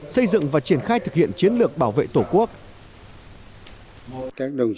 xây dựng và triển khai thực hiện chiến lược bảo vệ tổ quốc